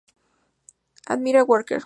Admira Wacker.